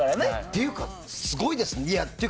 というか、すごいですね。